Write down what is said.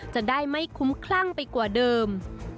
จะได้ไม่คุ้มคลั่งไปกว่าเดิม